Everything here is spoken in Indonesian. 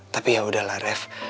tapi yaudahlah ref